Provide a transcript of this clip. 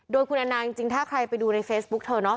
โดยคุณแอนนาจริงถ้าใครไปดูในเฟซบุ๊กเธอเนาะ